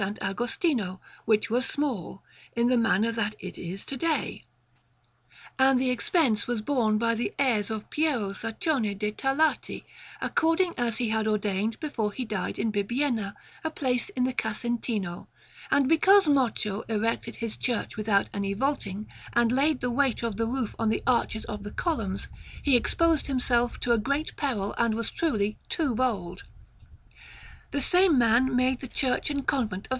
Agostino, which was small, in the manner that it is to day, and the expense was borne by the heirs of Piero Saccone de' Tarlati, according as he had ordained before he died in Bibbiena, a place in the Casentino; and because Moccio erected this church without any vaulting, and laid the weight of the roof on the arches of the columns, he exposed himself to a great peril and was truly too bold. The same man made the Church and Convent of S.